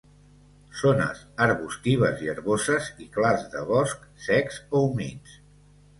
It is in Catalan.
Zones arbustives i herboses i clars de bosc secs o humits.